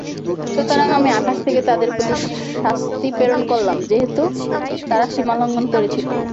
সুতরাং আমি আকাশ থেকে তাদের প্রতি শাস্তি প্রেরণ করলাম যেহেতু তারা সীমালংঘন করেছিল।